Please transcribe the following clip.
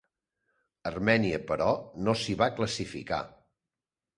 Armènia, però, no s'hi va classificar.